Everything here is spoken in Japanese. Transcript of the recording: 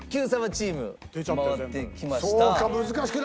チーム回ってきました。